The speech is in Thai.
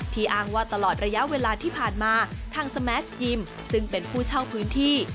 อ้างว่าตลอดระยะเวลาที่ผ่านมาทางสแมสยิมซึ่งเป็นผู้เช่าพื้นที่